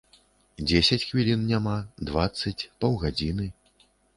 Дзесяць хвілін няма, дваццаць, паўгадзіны.